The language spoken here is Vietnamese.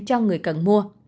cho người cần mua